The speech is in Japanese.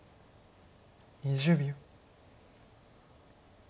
２０秒。